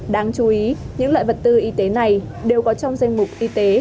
đáng chú ý những loại vật tư y tế này đều có trong danh mục y tế